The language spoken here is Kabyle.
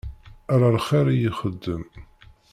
Ala lxir i ixeddem.